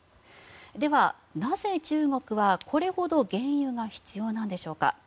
では、なぜ中国はこれほど原油が必要なんでしょうか。